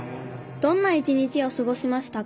どんな一日をすごしましたか？